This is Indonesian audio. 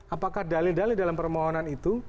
apakah dalil dalil dalam permohonan itu